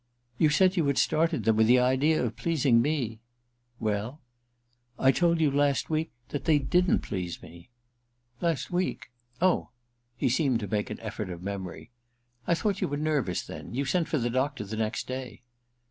*You said you had started them with the idea of pleasing me * *WeU.?' * I told you last week that they didn't please me.' * Last week ? Oh ——' He seemed to make an effort of memory. *1 thought you were nervous then ; you sent for the doctor the next day.'